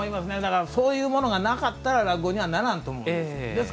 そういうものがなかったら落語にはならんと思うんです。